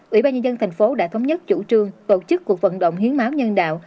ủy ban nhân dân thành phố đã thống nhất chủ trương tổ chức cuộc vận động hiến máu nhân đạo